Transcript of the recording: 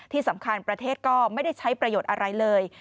ที่สำคัญประเทศก็ไม่ได้ใช้ประโยชน์อะไรเลย